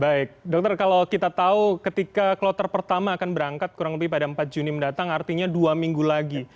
baik dokter kalau kita tahu ketika kloter pertama akan berangkat kurang lebih pada empat juni mendatang artinya dua minggu lagi